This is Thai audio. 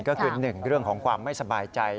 ก็คือ๑เรื่องของความไม่สบายใจ